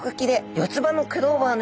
四つ葉のクローバーのように。